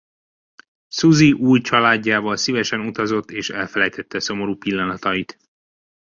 Susie új családjával szívesen utazott és elfelejtette szomorú pillanatait.